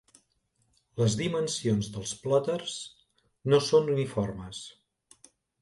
Les dimensions dels plòters no són uniformes.